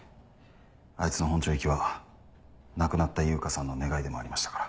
あいつの本庁行きは亡くなった悠香さんの願いでもありましたから。